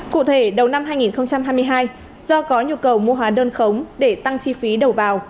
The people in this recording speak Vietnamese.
cụ thể đầu năm hai nghìn hai mươi hai do có nhu cầu mua hóa đơn khống để tăng chi phí đầu vào